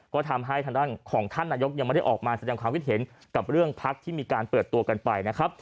ก็ทำให้ทางด้านของท่านนายกยังไม่ได้ออกมาแสดงความคิดเห็นกับเรื่องพักที่มีการเปิดตัวกันไปนะครับ